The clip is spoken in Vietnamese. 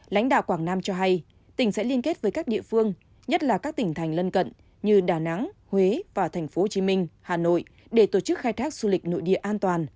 lãnh đạo quảng nam cho hay tỉnh sẽ liên kết với các địa phương nhất là các tỉnh thành lân cận như đà nẵng huế và tp hcm hà nội để tổ chức khai thác du lịch nội địa an toàn